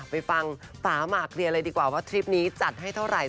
ไปฟังป่าหมากเรียนเลยดีกว่าว่าทริปนี้จัดให้เท่าไหร่